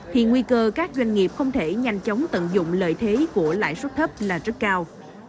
thì nguy cơ các doanh nghiệp không thể nhanh chóng tận dụng lợi thế của lãi suất thấp là rất cao